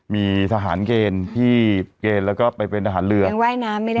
มีทหารเกณฑ์ที่เกณฑ์แล้วก็ไปเป็นทหารเรือยังว่ายน้ำไม่ได้